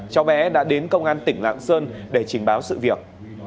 cháu bé đã đến công an tỉnh lạng sơn để trình báo sự việc